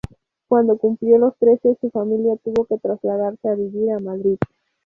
Cuando cumplió los trece su familia tuvo que trasladarse a vivir a Madrid.